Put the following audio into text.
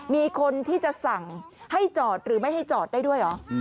มีคนที่จะสั่งให้จอดหรือไม่ให้จอดได้ด้วยเหรอ